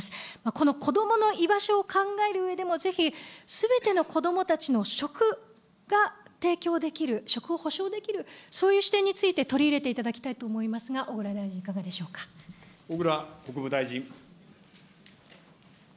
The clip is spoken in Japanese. このこどもの居場所を考えるうえでも、ぜひすべての子どもたちの食が提供できる、食を保障できる、そういう視点について、取り入れていただきたいと思いますが、小倉大臣、小倉国務大臣。